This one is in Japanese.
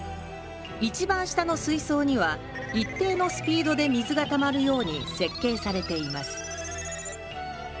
一番下の水槽には一定のスピードで水がたまるように設計されています